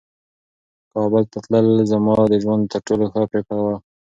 کابل ته تلل زما د ژوند تر ټولو ښه پرېکړه وه.